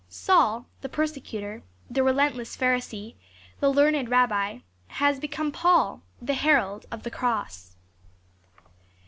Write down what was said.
(V) ^{ /^A(:)0 vi PREFACE. Saul the persecutor, the relentless Pharisee, the learned rabbi, has become Paul, the herald of the Cross.